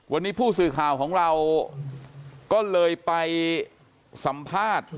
วันนี้ผู้สื่อข่าวของเราก็เลยไปสัมภาษณ์